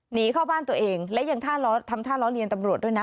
หนีเข้าบ้านตัวเองและยังท่าทำท่าล้อเลียนตำรวจด้วยนะ